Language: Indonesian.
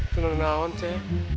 senang banget cep